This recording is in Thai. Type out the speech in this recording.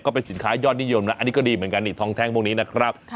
ก็เป็นสินค้ายอดนิยมแล้วอันนี้ก็ดีเหมือนกันนี่ทองแท่งพวกนี้นะครับ